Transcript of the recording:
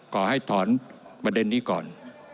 ขอให้ถอนประเด็นนี้ก่อน